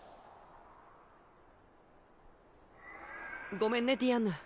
ごめんねディアンヌ。